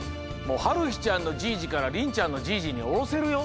はるひちゃんのじぃじからりんちゃんのじぃじにおろせるよ。